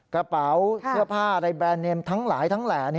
กระเป๋าเสื้อผ้าในแบรนดเนมทั้งหลายทั้งแหล่